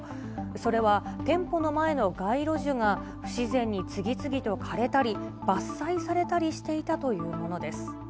それは、店舗の前の街路樹が、不自然に次々と枯れたり、伐採されたりしていたというものです。